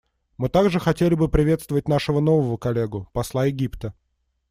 Мы также хотели бы приветствовать нашего нового коллегу — посла Египта.